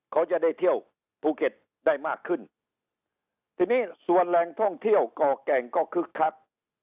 เขาจะได้เที่ยวภูเก็ตได้มากขึ้นทีนี้ส่วนแหล่งท่องเที่ยวก่อแก่งก็คึกคัก